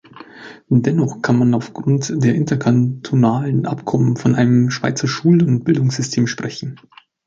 Dennoch kann man aufgrund der interkantonalen Abkommen von einem Schweizer Schul- oder Bildungssystem sprechen.